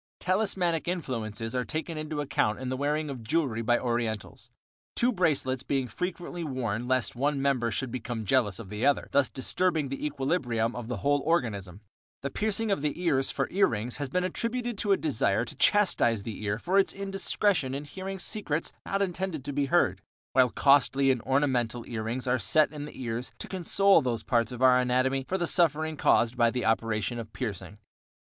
Talismanic influences are taken into account in the wearing of jewelry by Orientals, two bracelets being frequently worn lest one member should become jealous of the other, thus disturbing the equilibrium of the whole organism. The piercing of the ears for ear rings has been attributed to a desire to chastise the ear for its indiscretion in hearing secrets not intended to be heard, while costly and ornamental ear rings are set in the ears to console those parts of our anatomy for the suffering caused by the operation of piercing.